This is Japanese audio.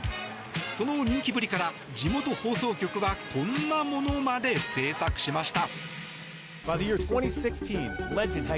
その人気ぶりから地元放送局はこんなものまで制作しました。